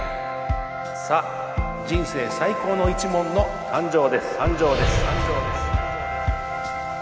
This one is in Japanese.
さあ人生最高の一問の誕生です。